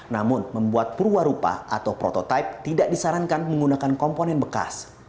namun membuat purwarupa atau prototipe tidak disarankan menggunakan komponen bekas